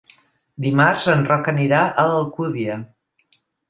Dimarts en Roc anirà a l'Alcúdia.